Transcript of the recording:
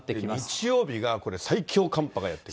日曜日がこれ、最強寒波がやって来る？